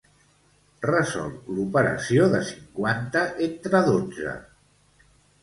Resol l'operació de cinquanta entre dotze.